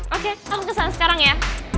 oke aku kesana sekarang ya